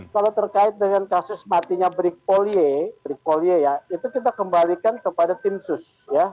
kalau terkait dengan kasus matinya brig paul yee itu kita kembalikan kepada tim sus